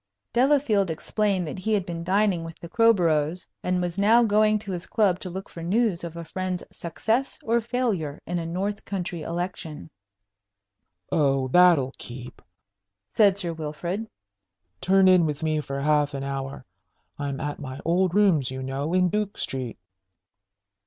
Delafield explained that he had been dining with the Crowboroughs, and was now going to his club to look for news of a friend's success or failure in a north country election. "Oh, that'll keep!" said Sir Wilfrid. "Turn in with me for half an hour. I'm at my old rooms, you know, in Duke Street."